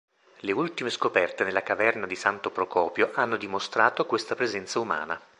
Le ultime scoperte nella caverna di Santo Procopio hanno dimostrato questa presenza umana.